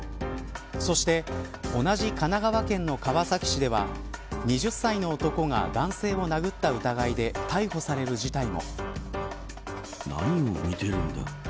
そして同じ神奈川県の川崎市では２０歳の男が男性を殴った疑いで逮捕される事態も。